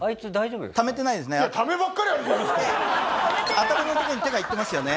頭のとこに手がいってますよね。